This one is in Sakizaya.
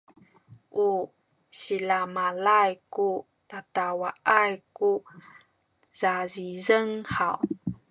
u silamalay ku dadawaay tu kazizeng haw?